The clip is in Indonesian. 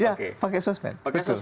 ya pakai sosmed